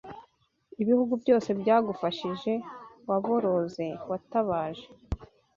Ibihugu byose byagufashije Waboroze watabaje